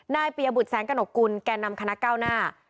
เปียบุตรแสงกระหนกกุลแก่นำคณะก้าวหน้า